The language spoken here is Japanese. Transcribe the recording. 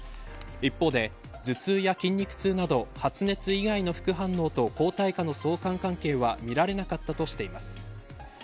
一方で頭痛や筋肉痛など発熱以外の副反応と抗体価の相関関係は見られなかったとしています。